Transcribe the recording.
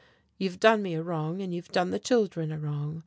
You have done me a wrong, and you've done the children a wrong.